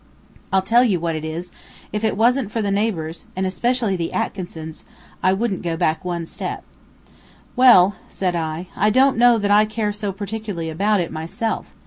I'll tell you what it is, if it wasn't for the neighbors, and especially the Atkinsons, I wouldn't go back one step." "Well," said I, "I don't know that I care so particularly about it, myself.